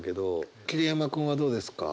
桐山君はどうですか？